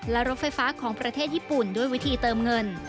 และรถไฟฟ้าของประเทศญี่ปุ่นด้วยวิธีเติมเงิน